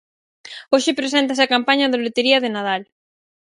Hoxe preséntase a campaña da lotería de Nadal.